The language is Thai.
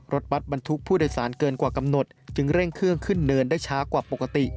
รถบัตรบรรทุกผู้โดยสารเกินกว่ากำหนดจึงเร่งเครื่องขึ้นเนินได้ช้ากว่าปกติ